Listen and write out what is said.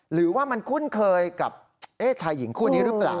หรือว่ามันคุ้นเคยกับชายหญิงคู่นี้หรือเปล่า